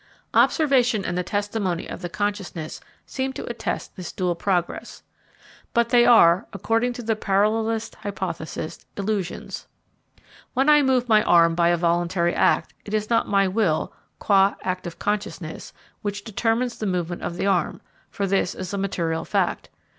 Observation and the testimony of the consciousness seem to attest this dual progress; but they are, according to the parallelist hypothesis, illusions. When I move my arm by a voluntary act, it is not my will, qua act of consciousness, which determines the movement of the arm for this is a material fact.